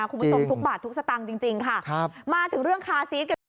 คุณผู้ตรงทุกบาททุกสตางค์จริงค่ะมาถึงเรื่องคาซีส